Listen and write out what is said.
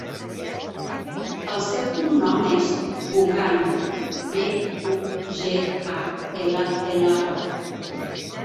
El seu cognom és Bugallo: be, u, ge, a, ela, ela, o.